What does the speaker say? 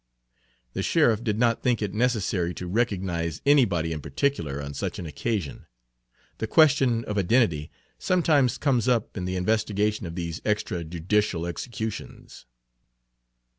The sheriff did not think it necessary to recognize anybody in particular on such an occasion; the question of identity sometimes comes up in the investigation of these extra judicial executions.